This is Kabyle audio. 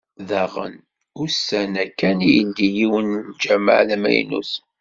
Daɣen, ussan-a kan i yeldi yiwen n lǧamaɛ d amaynut.